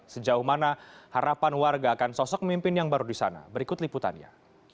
sejauh mana harapan warga akan sosok pemimpin yang baru di sana berikut liputannya